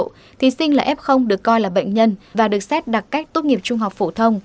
thí sinh là f được coi là bệnh nhân và được xét đặc cách tốt nghiệp trung học phổ thông